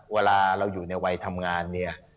เวลาเราอยู่ในวัยทำงานเนี่ย